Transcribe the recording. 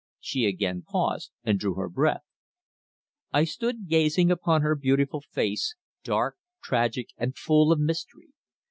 She again paused, and drew her breath. I stood gazing upon her beautiful face, dark, tragic and full of mystery.